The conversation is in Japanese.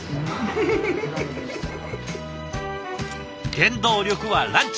原動力はランチ！